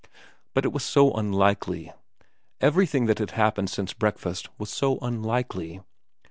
But it was so unlikely ... everything that had happened since breakfast was so unlikely.